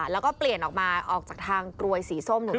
แล้วก็เปลี่ยนออกมาออกจากทางกรวยสีส้ม